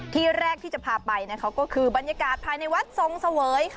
ที่แรกที่จะพาไปคือบรรยากาศภายในวัดทรงสะเวย